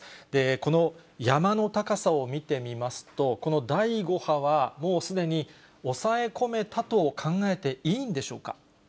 この山の高さを見てみますと、この第５波は、もうすでに抑え込めたと考えていいんでしょうか。